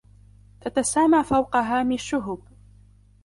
تتسامى فوق هامِ الشُهُبِ